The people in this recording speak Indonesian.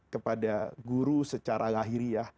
kepada guru secara lahiri